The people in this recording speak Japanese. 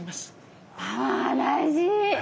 あ大事ね！